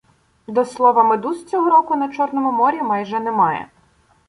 До слова, медуз цього року на Чорному морі майже немає